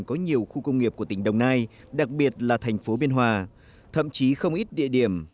có nhiều khu công nghiệp của tỉnh đồng nai đặc biệt là thành phố biên hòa thậm chí không ít địa điểm